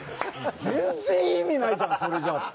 全然意味ないじゃんそれじゃあ。